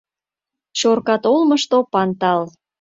Чоркат олмышто пантал.